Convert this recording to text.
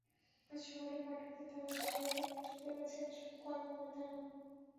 আজ সকালে পাটকলে তালা ঝুলিয়ে চলে গেছেন সব কর্মকর্তা।